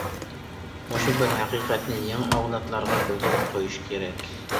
مۇشۇ بىر ھەقىقەتنى يېڭى ئەۋلادلارغا بىلدۈرۈپ قويۇش كېرەك.